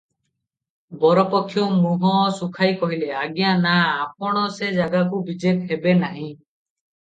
ବରପକ୍ଷ ମୁହଁ ଶୁଖାଇ କହିଲେ, "ଆଜ୍ଞା ନା, ଆପଣ ସେ ଜାଗାକୁ ବିଜେ ହେବେ ନାହିଁ ।"